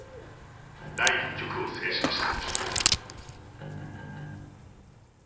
第一局を制しました。